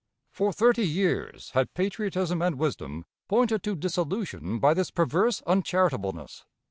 For thirty years had patriotism and wisdom pointed to dissolution by this perverse uncharitableness.